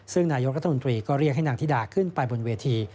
ซึ่งนายกรัฐมนตรีก็เรียกให้นางธิดาขึ้นไปบนเวที